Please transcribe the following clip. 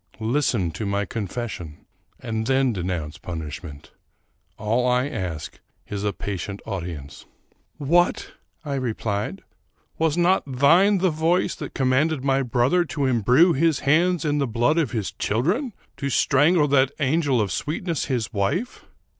Listen to my con fession, and then denounce punishment. All I ask is a patient audience." " What !" I replied ;" was not thine the voice that com manded my brother to imbrue his hands in the blood of his children? — to strangle that angel of sweetness, his wife?